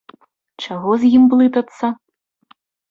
Чаго з ім блытацца.